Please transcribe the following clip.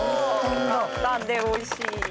簡単で美味しい。